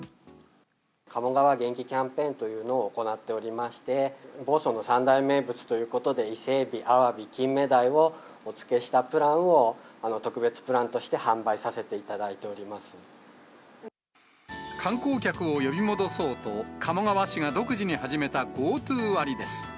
鴨川元気キャンペーンというのを行っておりまして、房総の３大名物ということで、伊勢エビ、アワビ、キンメダイをお付けしたプランを特別プランとして販売さ観光客を呼び戻そうと、鴨川市が独自に始めたＧｏＴｏ割です。